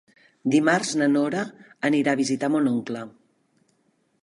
Dimarts na Nora anirà a visitar mon oncle.